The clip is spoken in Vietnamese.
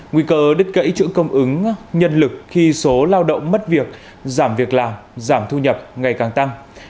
nguy cơ đứt gãy chuỗi cung ứng nhân lực khi số lao động mất việc giảm việc làm giảm thu nhập ngày càng tăng